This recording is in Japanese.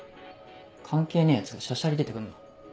関係ねえヤツがしゃしゃり出てくんな。